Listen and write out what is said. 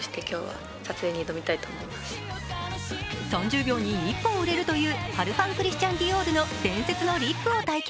３０秒に１本売れるというパルファン・クリスチャン・ディオールの伝説のリップを体験。